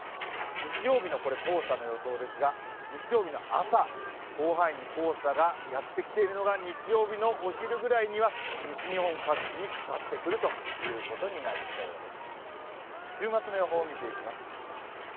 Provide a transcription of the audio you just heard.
日曜日の黄砂の予想ですが、日曜日の朝、広範囲に黄砂がやってきているのが日曜日のお昼ぐらいには西日本各地にかかってくるということになりそうです。